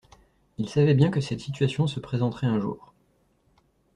Il savait bien que cette situation se présenterait un jour.